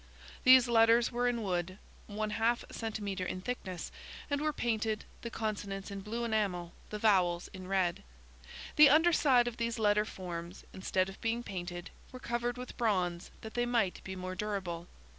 These letters were in wood, 1/2 centimetre in thickness, and were painted, the consonants in blue enamel, the vowels in red. The under side of these letter forms, instead of being painted, were covered with bronze that they might be more dur able.